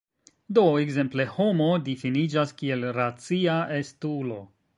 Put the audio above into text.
Do ekzemple "homo" difiniĝas kiel "racia estulo".